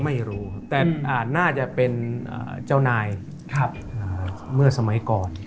ไม่รู้แต่อ่าน่าจะเป็นอ่าเจ้านายครับอ่าเมื่อสมัยก่อนอ่า